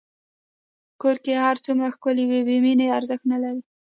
کور که هر څومره ښکلی وي، بېمینې ارزښت نه لري.